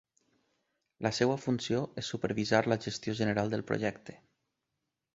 La seva funció és supervisar la gestió general del projecte.